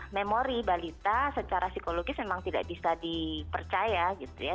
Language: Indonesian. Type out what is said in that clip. memori balita secara psikologis memang tidak bisa dipercaya gitu ya